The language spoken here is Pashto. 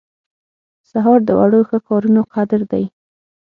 سهار د وړو ښه کارونو قدر دی.